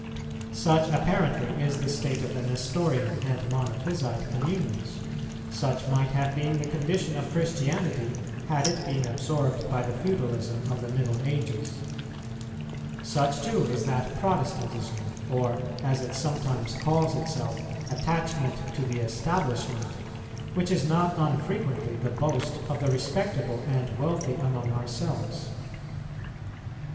Such apparently is the state of the Nestorian and Monophysite communions; such might have been the condition of Christianity had it been absorbed by the feudalism of the middle ages; such too is that Protestantism, or (as it sometimes calls itself) attachment to the Establishment, which is not unfrequently the boast of the respectable and wealthy among ourselves.